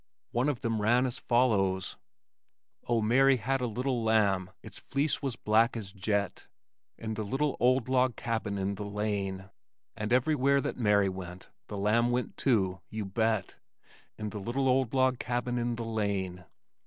One of them ran as follows: O Mary had a little lamb, Its fleece was black as jet, In the little old log cabin in the lane; And everywhere that Mary went, The lamb went too, you bet. In the little old log cabin in the lane.